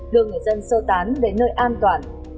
đưa người dân sâu tán đến nơi an toàn